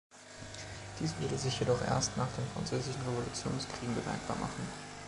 Dies würde sich jedoch erst nach den französischen Revolutionskriegen bemerkbar machen.